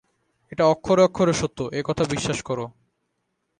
এটা অক্ষরে অক্ষরে সত্য, এ কথা বিশ্বাস কর।